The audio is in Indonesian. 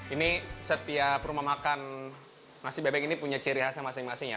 ini setiap rumah makan nasi bebek ini punya ciri khasnya masing masing ya